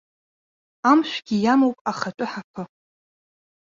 Амшәгьы иамоуп ахатәы ҳаԥы.